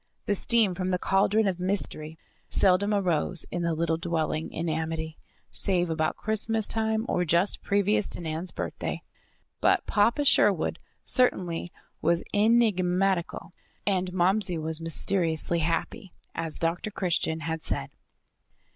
The steam from the cauldron of Mystery seldom arose in the little "dwelling in amity" save about Christmas time or just previous to Nan's birthday. But Papa Sherwood certainly was enigmatical and Momsey was mysteriously happy, as Dr. Christian had said.